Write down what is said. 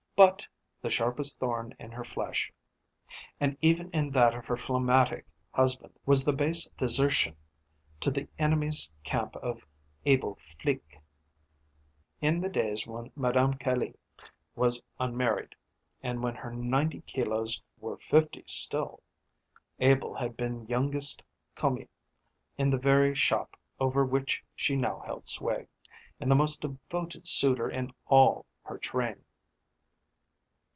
But the sharpest thorn in her flesh and even in that of her phlegmatic husband was the base desertion to the enemy's camp of Abel Flique. In the days when Madame Caille was unmarried, and when her ninety kilos were fifty still, Abel had been youngest commis in the very shop over which she now held sway, and the most devoted suitor in all her train.